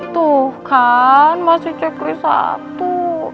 tuh kan masih cek list satu